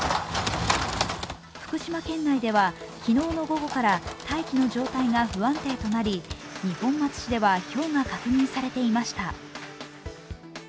福島県内では昨日の午後から大気の状態が不安定になり、二本松市ではひょうが確認されていました。